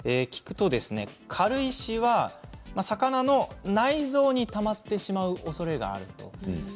軽石は魚の内臓にたまってしまうおそれがある。